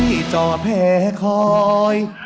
ที่จอแพ้คอย